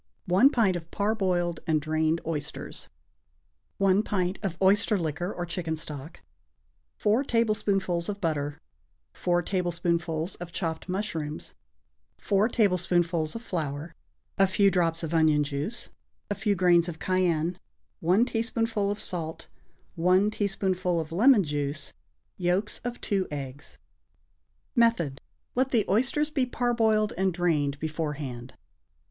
1 pint of parboiled and drained oysters. 1 pint of oyster liquor or chicken stock. 4 tablespoonfuls of butter. 4 tablespoonfuls of chopped mushrooms. 4 tablespoonfuls of flour. A few drops of onion juice. A few grains of cayenne. 1 teaspoonful of salt. 1 teaspoonful of lemon juice. Yolks of 2 eggs. Method. Let the oysters be parboiled and drained beforehand.